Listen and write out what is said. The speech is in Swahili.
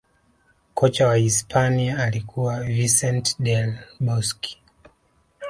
kocha wa hisipania alikuwa vincent del bosque